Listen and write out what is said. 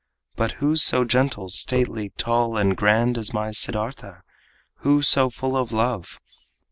But who so gentle, stately, tall and grand As my Siddartha? Who so full of love?